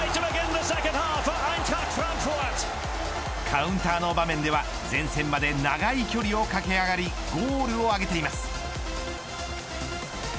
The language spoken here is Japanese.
カウンターの場面では前線まで長い距離を駆け上がりゴールを挙げています。